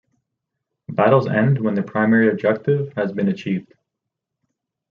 Battles end when the primary objective has been achieved.